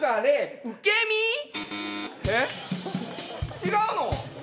違うの？